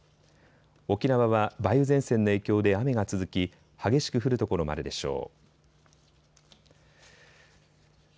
沖縄は梅雨前線の影響で雨が続き激しく降る所もあるでしょう。